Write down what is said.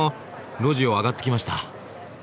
路地を上がってきました。